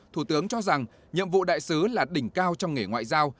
thủ tướng cho rằng nhiệm vụ đại sứ là đỉnh cao trong nghề ngoại giao